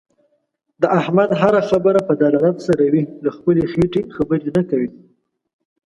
د احمد هر خبره په دلالت سره وي. له خپلې خېټې خبرې نه کوي.